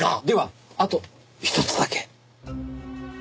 ではあとひとつだけ。